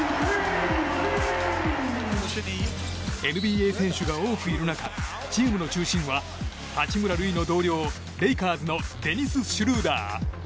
ＮＢＡ選手が多くいる中チームの中心は八村塁の同僚、レイカーズのデニス・シュルーダー。